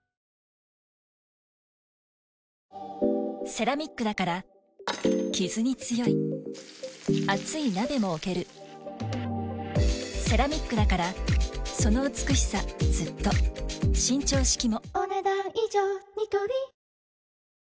セラミックだからキズに強い熱い鍋も置けるセラミックだからその美しさずっと伸長式もお、ねだん以上。